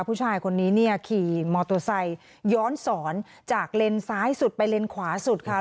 ผู้ชายคนนี้เนี่ยขี่มอเตอร์ไซค์ย้อนสอนจากเลนซ้ายสุดไปเลนขวาสุดค่ะ